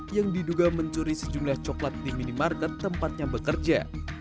yang diduga mencuri sejumlah coklat di minimarket tempatnya bekerja